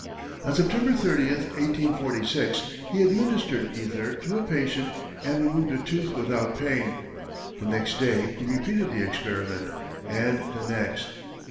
On September 30, 1846, he administered ether to a patient and removed a tooth without pain; the next day he repeated the experiment, and the next.